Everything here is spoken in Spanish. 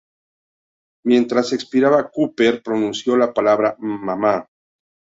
Mientras expiraba Cooper pronunció la palabra "mamá".